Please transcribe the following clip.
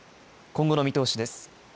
今後の見通しです。